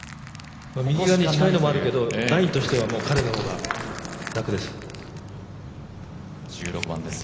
右側に近いのもあるけどラインとしては彼の方が楽です。